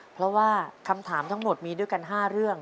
เพราะว่าคำถามทั้งหมดมีด้วยกัน๕เรื่อง